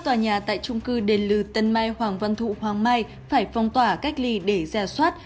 tòa nhà tại trung cư đền lư tân mai hoàng văn thụ hoàng mai phải phong tỏa cách ly để ra soát